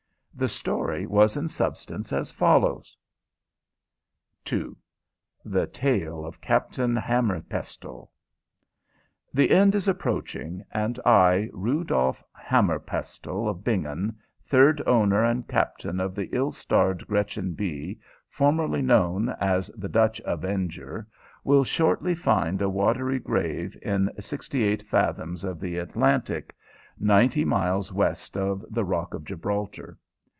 The story was in substance as follows: II THE TALE OF CAPTAIN HAMMERPESTLE The end is approaching, and I, Rudolf Hammerpestle, of Bingen, third owner and captain of the ill starred Gretchen B., formerly known as the Dutch Avenger, will shortly find a watery grave in sixty eight fathoms of the Atlantic, ninety miles west of the rock of Gibraltar.